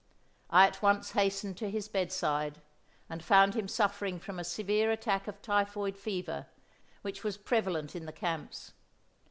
I at once hastened to his bedside, and found him suffering from a severe attack of typhoid fever, which was prevalent in the camps.